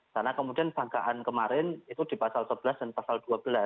karena kemudian bangkaan kemarin itu di pasal sebelas dan pasal dua belas